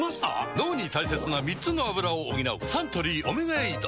脳に大切な３つのアブラを補うサントリー「オメガエイド」